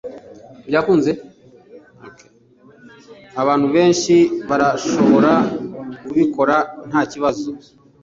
Abantu benshi barashobora kubikora nta kibazo.